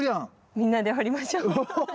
みんなで掘りましょう。